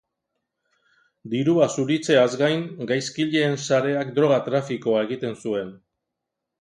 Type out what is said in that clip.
Dirua zuritzeaz gain, gaizkileen sareak droga-trafikoa egiten zuen.